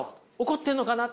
怒ってるのかな？